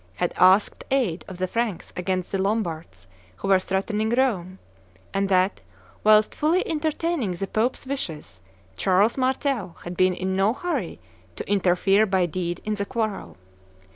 had asked aid of the Franks against the Lombards who were threatening Rome, and that, whilst fully entertaining the Pope's wishes, Charles Martel had been in no hurry to interfere by deed in the quarrel.